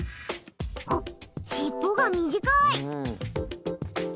あっ尻尾が短い。